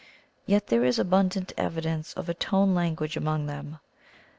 Yet there is abundant evi dence of a tone language among them.